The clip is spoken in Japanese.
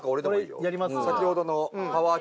先ほどの。